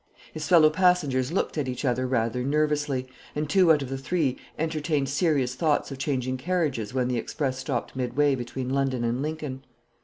His fellow passengers looked at each other rather nervously, and two out of the three entertained serious thoughts of changing carriages when the express stopped midway between London and Lincoln.